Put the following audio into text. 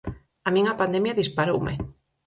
A min a pandemia disparoume.